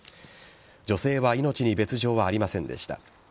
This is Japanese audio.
女性は命に別状はありませんでした。